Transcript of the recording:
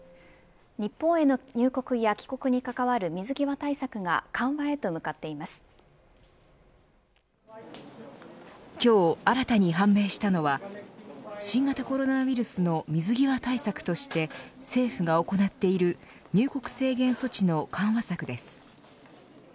日本への入国や帰国に関わる水際対策が今日、新たに判明したのは新型コロナウイルスの水際対策として政府が行っている入国制限措置の緩和策です。